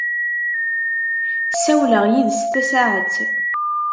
Ssawleɣ yid-s tasaɛet.